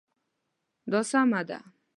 دا سمه ده